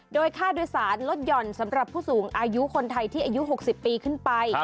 โดยค่าโดยสารลดหย่อนสำหรับผู้สูงอายุคนไทยที่อายุ๖๐ปีขึ้นไป